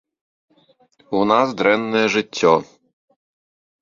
У нас дрэннае жыццё.